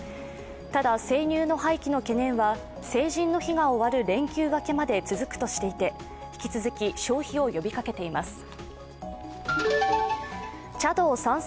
ただ、生乳の廃棄の懸念は成人の日が終わる連休明けまで続くとしていて引き続き消費を呼びかけています。